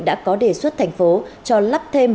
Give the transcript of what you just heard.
đã có đề xuất thành phố cho lắp thêm